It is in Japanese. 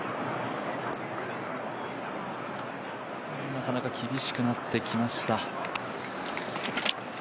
なかなか厳しくなってきました。